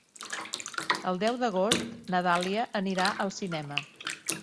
El deu d'agost na Dàlia anirà al cinema.